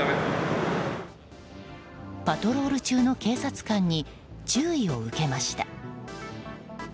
パトロール中の警察官に注意を受けました。